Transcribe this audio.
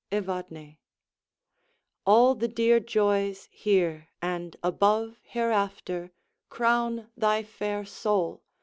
Evadne All the dear joys here, and above hereafter, Crown thy fair soul!